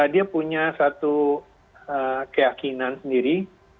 dia punya satu keyakinan sendiri